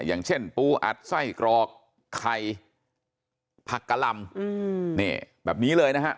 อย่างเช่นปูอัดไส้กรอกไข่ผักกะลำแบบนี้เลยนะฮะ